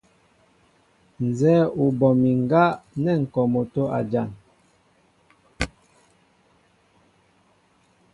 Nzɛ́ɛ́ ú bɔ mi ŋgá nɛ́ ŋ̀ kɔ motó a jan.